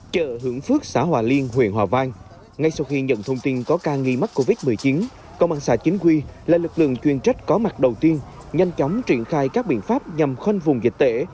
chợ hưởng phước xã hòa liên huyện hòa vang ngay sau khi nhận thông tin có ca nghi mắc covid một mươi chín công an xã chính quy là lực lượng chuyên trách có mặt đầu tiên nhanh chóng triển khai các biện pháp nhằm khoanh vùng dịch tễ